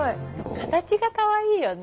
形がかわいいよね。